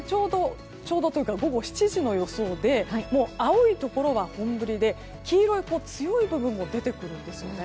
こちらは午後７時の予想で青いところは本降りで黄色い強い部分も出てきます。